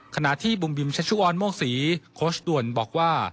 ขณะที่บุมบิมชัชชุออนโมกศรีโค้ชด่วนบอกว่า